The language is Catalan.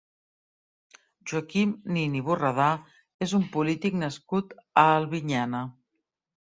Joaquim Nin i Borredà és un polític nascut a Albinyana.